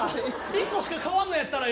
１個しか買わんのやったらよ。